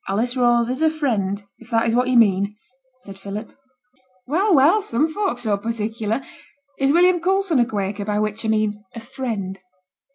'Alice Rose is a Friend, if that is what you mean,' said Philip. 'Well, well! some folk's so particular. Is William Coulson a Quaker, by which a mean a Friend?'